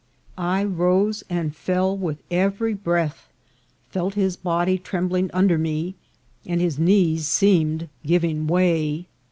I rose and fell with every breath, felt his body trembling under me, and his knees seemed giving way.